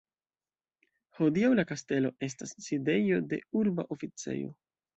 Hodiaŭ la kastelo estas sidejo de urba oficejo.